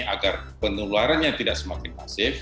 agar penularannya tidak semakin masif